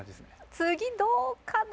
次どうかな？